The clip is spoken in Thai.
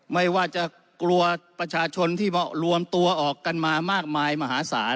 ไม่ว่าจะกลัวประชาชนที่รวมตัวออกกันมามากมายมหาศาล